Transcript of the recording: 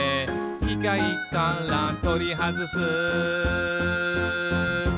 「きかいからとりはずす」